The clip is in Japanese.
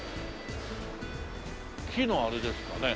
木のあれですかね？